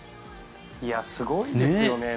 すごいですね。